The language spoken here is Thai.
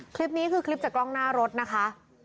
คลิปนี้คือคลิปจากกล้องหน้ารถนะคะ